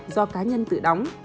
do cá nhân tự đóng